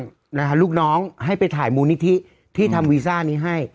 ลูกนะคะลูกน้องให้ไปถ่ายมูลนิธิที่ทำวีซ่านี้ให้